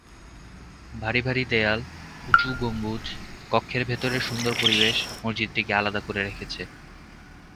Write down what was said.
ভারী ভারী দেয়াল, উঁচু গম্বুজ, কক্ষের ভেতরের সুন্দর পরিবেশ মসজিদটিকে আলাদা করে রেখেছে।